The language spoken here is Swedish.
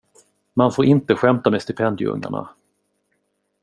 Man får inte skämta med stipendieungarna!